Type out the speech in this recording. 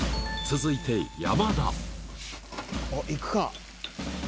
続いてあっいくか？